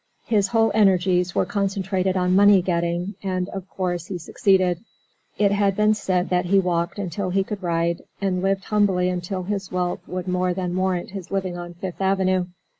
His whole energies were concentrated on money getting and, of course, he succeeded. It has been said that he walked until he could ride, and lived humbly until his wealth would more than warrant his living on Fifth Avenue.